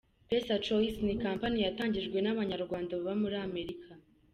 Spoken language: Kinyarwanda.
PesaChoice ni company yatangijwe n’abanyarwanda baba muri Amerika.